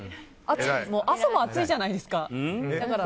朝も暑いじゃないですか。